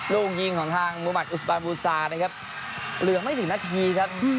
ลูกยิงของทางมุมัติอุสบานบูซานะครับเหลือไม่ถึงนาทีครับ